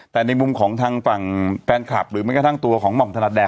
แต่ในมุมของทางฝั่งแฟนคลับหรือแม้กระทั่งตัวของหม่อมธนัดแด